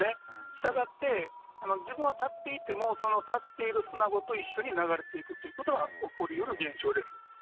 したがって、自分は立っていても、立っている砂ごと一緒に流れていくということは、起こりうる現象です。